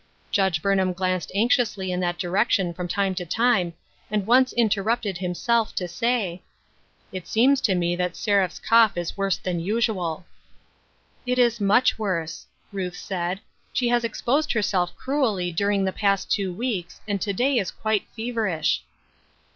Judge Burn ham glanced anxiously in that direction from time to time, and once interrupted himself to say, " It seems to me that Seraph's cough is worse than usual." "It is much worse," Ruth said; "she has ex posed herself cruelly during the past two weeks, and to day is quite feverish."